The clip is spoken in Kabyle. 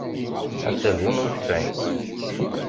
Aserdun ur t-sεin.